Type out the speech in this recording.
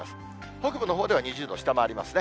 北部のほうでは２０度下回りますね。